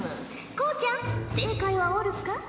こうちゃん正解はおるか？